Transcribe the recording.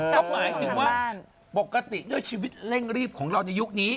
ก็หมายถึงว่าปกติด้วยชีวิตเร่งรีบของเราในยุคนี้